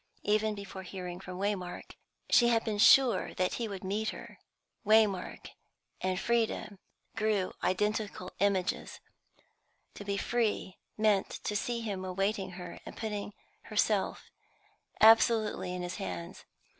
Even before hearing from Waymark, she had been sure that he would meet her; Waymark and freedom grew identical images; to be free meant to see him awaiting her and to put herself absolutely in his hands.